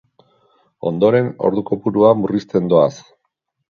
Ondoren, ordu kopurua murrizten doaz.